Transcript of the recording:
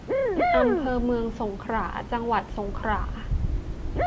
อำเภอเมืองสงขลา จังหวัดสงขลา